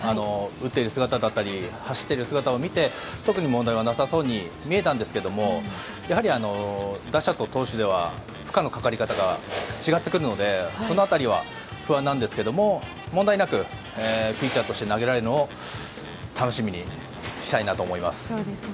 打っている姿走っている姿を見て特に問題はなさそうに見えたんですけどやはり打者と投手では負荷のかかり方が違ってくるのでその辺りは不安なんですが問題なくピッチャーとして投げられるのを楽しみにしたいなと思います。